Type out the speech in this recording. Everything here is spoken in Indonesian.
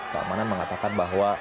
keamanan mengatakan bahwa